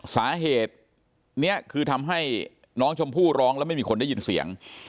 สาเหตุนี้คือทำให้น้องชมพู่ร้องแล้วไม่มีคนได้ยินเสียง